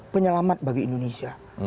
penyelamat bagi indonesia